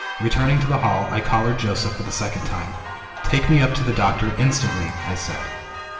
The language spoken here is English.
Returning to the hall, I collared Joseph for the second time. "Take me up to the doctor instantly!" I said.